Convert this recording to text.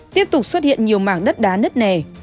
tiếp tục xuất hiện nhiều mảng đất đá nứt nẻ